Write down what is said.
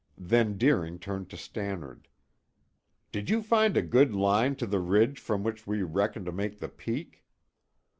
Then Deering turned to Stannard. "Did you find a good line to the ridge from which we reckon to make the peak?"